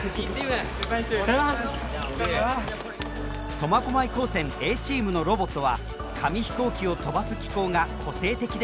苫小牧高専Ａチームのロボットは紙飛行機を飛ばす機構が個性的でユニーク。